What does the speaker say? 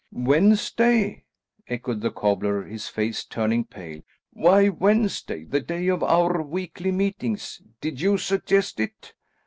"Wednesday!" echoed the cobbler, his face turning pale. "Why Wednesday, the day of our weekly meetings? Did you suggest it?"